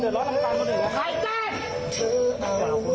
พี่จะบอกความเดือนล้อทำซากคนอื่น